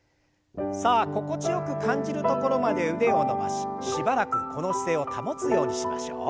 さあ心地よく感じるところまで腕を伸ばししばらくこの姿勢を保つようにしましょう。